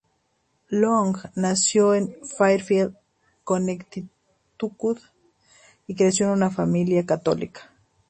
Long nació en Fairfield, Connecticut y creció en una familia católica.